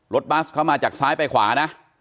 บัสเข้ามาจากซ้ายไปขวานะ